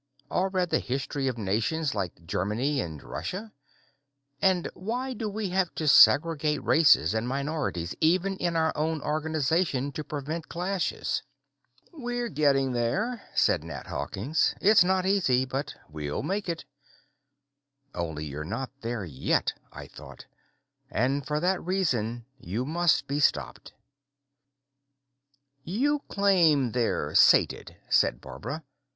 Or read the history of nations like Germany and Russia? And why do we have to segregate races and minorities even in our own organization to prevent clashes?" "We're getting there," said Nat Hawkins. "It's not easy, but we'll make it." Only you're not there yet, I thought, and for that reason you must be stopped. "You claim they're sated," said Barbara.